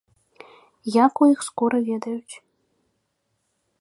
Як у іх скора ведаюць.